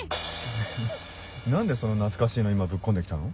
え何でそんな懐かしいの今ぶっ込んで来たの？